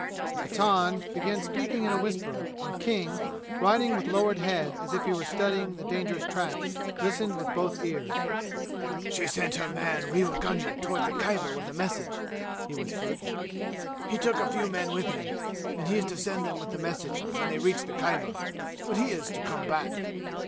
The Pathan began speaking in a whisper and King, riding with lowered head as if he were studying the dangerous track, listened with both ears. "She sent her man Rewa Gunga toward the Khyber with a message," he whispered. "He took a few men with him, and he is to send them with the message when they reach the Khyber, but he is to come back.